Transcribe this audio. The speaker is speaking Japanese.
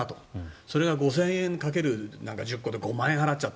それを５０００円掛ける１０個で５万円払っちゃった。